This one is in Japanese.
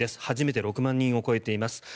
初めて６万人を超えています。